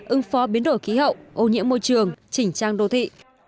ứng phó biến đổi khí hậu ô nhiễm môi trường chỉnh trang đô thị